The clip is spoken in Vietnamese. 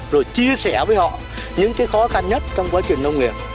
rồi chia sẻ với họ những cái khó khăn nhất trong quá trình nông nghiệp